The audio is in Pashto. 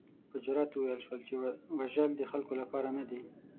په جرات وویل شول چې وژل د خلکو لپاره نه دي.